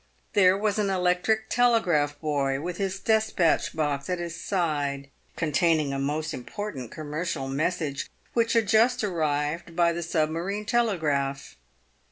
There was an electric telegraph boy with his despatch box at his side, con taining a most important commercial message, which had just arrived by the sub marine telegraph.